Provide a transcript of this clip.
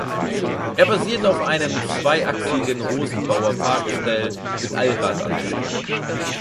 Er basiert auf einem zweiachsigen Rosenbauer-Fahrgestell mit Allradantrieb.